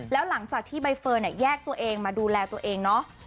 แล้วหลังจากที่ใบเฟิร์นแยกตัวเองมาดูแลตัวเองเนาะ